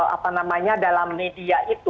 apa namanya dalam media itu